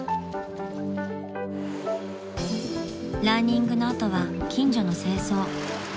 ［ランニングの後は近所の清掃］